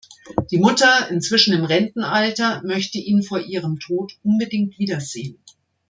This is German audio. Die Mutter, inzwischen im Rentenalter, möchte ihn vor ihrem Tod unbedingt wiedersehen.